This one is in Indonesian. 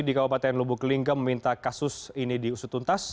di kabupaten lubuk linggau meminta kasus ini diusutuntas